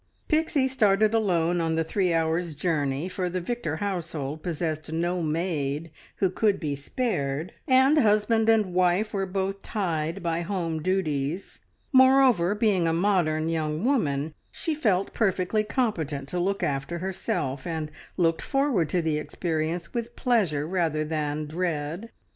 Pixie started alone on the three hours' journey, for the Victor household possessed no maid who could be spared, and husband and wife were both tied by home duties; moreover, being a modern young woman, she felt perfectly competent to look after herself, and looked forward to the experience with pleasure rather than dread.